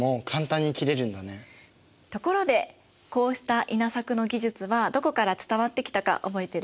ところでこうした稲作の技術はどこから伝わってきたか覚えてる？